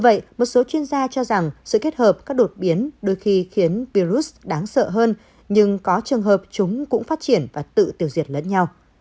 vậy một số chuyên gia cho rằng sự kết hợp các đột biến đôi khi khiến virus đáng sợ hơn nhưng có trường hợp chúng cũng phát triển và tự tiêu diệt lẫn nhau